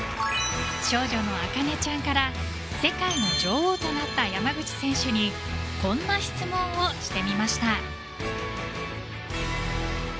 少女の茜ちゃんから世界の女王となった山口選手にこんな質問をしてみました。